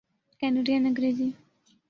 Canadian Angrezi